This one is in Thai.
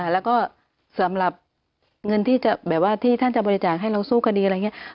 แล้วก็สำหรับเงินที่จะแบบว่าที่ท่านจะบริจาคให้เราสู้คดีอะไรอย่างนี้